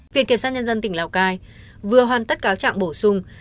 viện kiểm soát nhân dân tỉnh lào cai vừa hoàn tất cáo trạng bổ sung